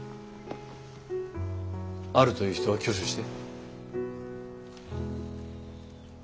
あるという人は挙手して。